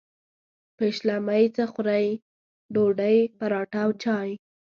پیشلمۍ څه خورئ؟ ډوډۍ، پراټه او چاي